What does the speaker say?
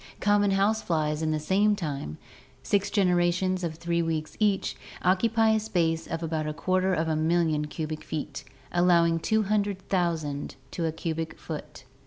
Common house flies would in the same time — six generations of three weeks each — occupy a space of about a quarter of a million cubic feet, allowing 200,000 to a cubic foot.